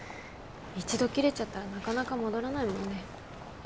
一度切れちゃったらなかなか戻らないもんね。